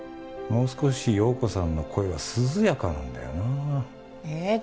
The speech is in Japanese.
もう少し陽子さんの声は涼やかなんだよなえっ